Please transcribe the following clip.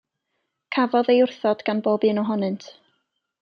Cafodd ei wrthod gan bob un ohonynt.